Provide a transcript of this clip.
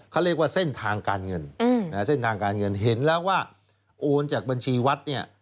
เขาเรียกว่าเส้นทางการเงินเส้นทางการเงินเห็นแล้วว่าโอนจากบัญชีวัดเนี่ย